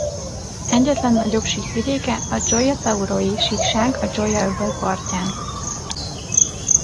Egyetlen nagyobb síkvidéke a Gioia Tauro-i síkság a Gioiai-öböl partján.